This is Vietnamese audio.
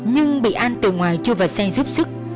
nhưng bị an từ ngoài chưa vào xe giúp sức